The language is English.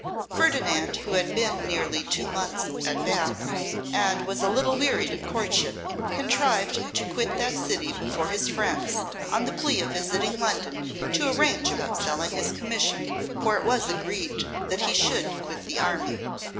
Ferdinand, who had been nearly two months at Bath, and was a little wearied of courtship, contrived to quit that city before his friends, on the plea of visiting London, to arrange about selling his commission; for it was agreed that he should quit the army.